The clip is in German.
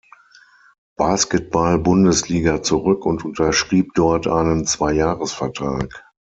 Basketball-Bundesliga zurück und unterschrieb dort einen Zweijahresvertrag.